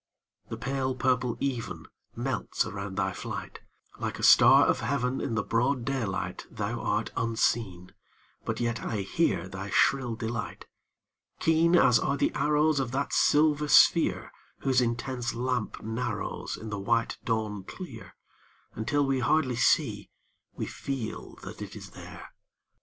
The pale purple even Melts around thy flight; Like a star of heaven In the broad daylight, Thou art unseen, but yet I hear thy shrill delight Keen as are the arrows Of that silver sphere Whose intense lamp narrows In the white dawn clear, Until we hardly see, we feel, that it is there.